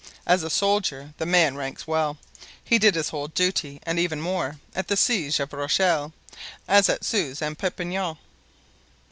As a soldier the man ranks well; he did his whole duty and even more, at the siege of Rochelle—as at Suze and Perpignan."